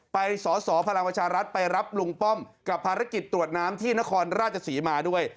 สอสอพลังประชารัฐไปรับลุงป้อมกับภารกิจตรวจน้ำที่นครราชศรีมาด้วย